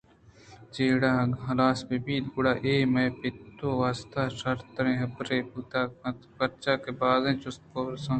جیڑہ اگاں ہلاس بہ بیت گڑا اے مئے پت ءِ واستہ شرتریں حبرے بوت کنت پرچاکہ بازیں جست ءُپرس